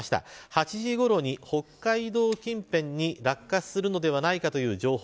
８時ごろに北海道近辺に落下するのではないかという情報